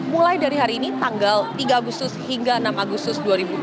mulai dari hari ini tanggal tiga agustus hingga enam agustus dua ribu dua puluh